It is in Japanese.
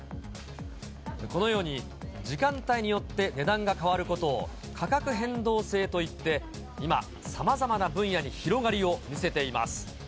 このように時間帯によって値段が変わることを、価格変動制といって、今、さまざまな分野に広がりを見せています。